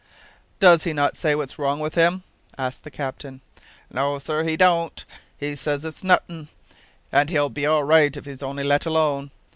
"Does he not say what's wrong with him?" asked the captain. "No, sir; he don't. He says it's nothin', and he'll be all right if he's only let alone.